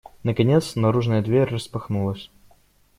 Наконец наружная дверь распахнулась.